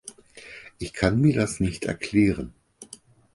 Ich kann mir das nicht erklären.